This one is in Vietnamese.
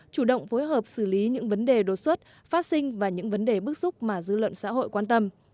chủ động phối hợp xử lý những vấn đề đột xuất phát sinh và những vấn đề bức xúc mà dư luận xã hội quan tâm